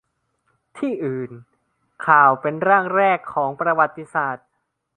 ที่อื่น : ข่าวเป็นร่างแรกของประวัติศาสตร์